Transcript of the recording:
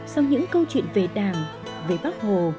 sau những câu chuyện về đảng về bác hồ